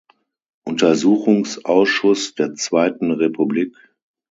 Untersuchungsausschuss der zweiten Republik.